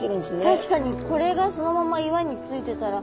確かにこれがそのまま岩についてたら。